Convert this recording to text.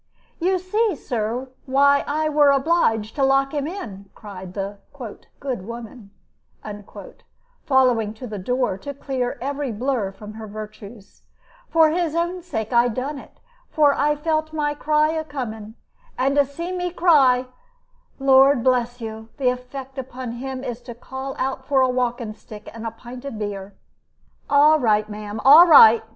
"You see, Sir, why I were obliged to lock him in," cried the "good woman," following to the door, to clear every blur from her virtues; "for his own sake I done it, for I felt my cry a coming, and to see me cry Lord bless you, the effect upon him is to call out for a walking stick and a pint of beer." "All right, ma'am, all right!"